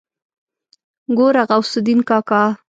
ګوره غوث الدين کاکا.